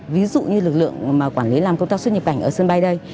ví dụ như lực lượng mà quản lý làm công tác xuất nhập cảnh ở sân bay đây